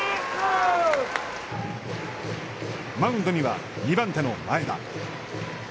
マウンドには、２番手の前田。